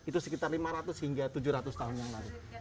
itu sekitar lima ratus hingga tujuh ratus tahun yang lalu